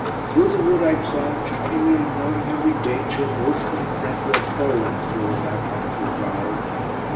Through the wood I plunged, utterly ignoring every danger, both from friend or foe, in the thrill of that wonderful "drive."